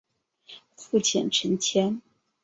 父亲陈谦。